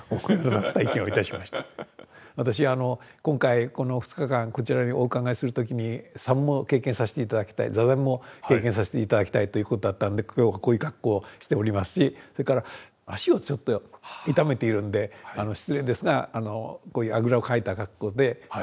私今回この２日間こちらにお伺いする時に作務を経験させて頂きたい坐禅も経験させて頂きたいということだったんで今日こういう格好をしておりますしそれから足をちょっと痛めているんで失礼ですがこういうあぐらをかいた格好で対応させて下さい。